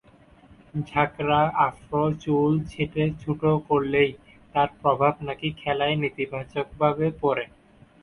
ঝাঁকড়া আফ্রো চুল ছেঁটে ছোট করলেই তার প্রভাব নাকি খেলায় নেতিবাচকভাবে পড়ে।